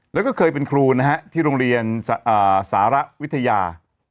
แล้วก็เคยเป็นครูนะฮะที่โรงเรียนสารวิทยา